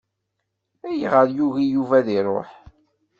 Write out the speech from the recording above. Ayɣeṛ yugi Yuba ad iṛuḥ?